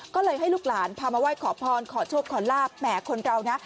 ก็เลยให้ลูกหลานพามาไหว้ขอพรขอโชคขอลาบแหมคนเรานะ